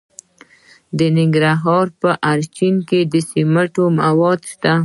د ننګرهار په اچین کې د سمنټو مواد شته.